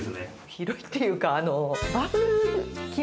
広いっていうか。